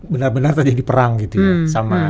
benar benar tadi di perang gitu ya